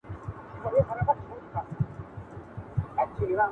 چي يوازي دي لايق د پاچاهانو!.